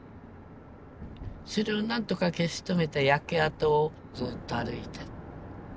それをなんとか消し止めて焼け跡をずっと歩いて。